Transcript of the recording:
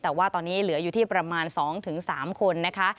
แต่ว่าตอนนี้เหลืออยู่ที่ประมาณ๒๓คนนะคะ